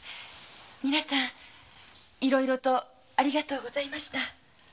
皆さんいろいろとありがとうございました。